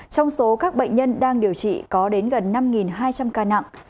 trong số các bệnh nhân đang điều trị có đến gần năm hai trăm linh ca nặng